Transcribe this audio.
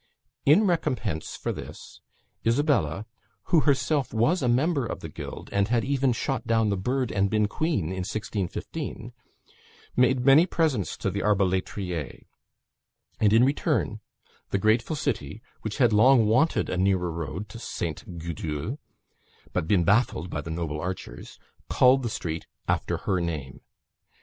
In recompense for this, Isabella who herself was a member of the guild, and had even shot down the bird, and been queen in 1615 made many presents to the arbaletriers; and, in return, the grateful city, which had long wanted a nearer road to St. Gudule, but been baffled by the noble archers, called the street after her name.